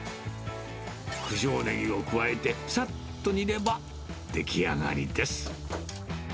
九条ネギを加えて、さっと煮れば出来上がりです。